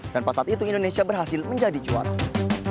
dan pasat itu indonesia berhasil menjadi juara